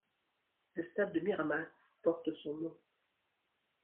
Le stade de Miramas porte son nom.